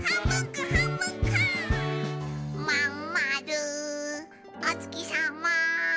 「まんまるおつきさま」